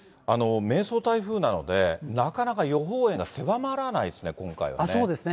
迷走台風なので、なかなか予報円が狭まらないですね、そうですね。